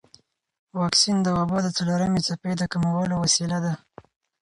واکسن د وبا د څلورمې څپې د کمولو وسیله ده.